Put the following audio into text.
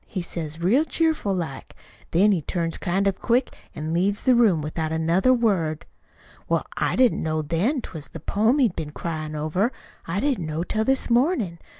he says real cheerful like. Then he turns kind of quick an' leaves the room without another word. "Well, I didn't know then that't was the poem he'd been cryin' over. I didn't know till this mornin'.